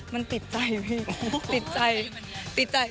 มันติดใจพี่ติดใจ